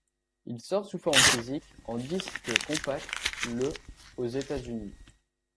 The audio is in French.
Il sort sous forme physique en disque compact le aux États-Unis.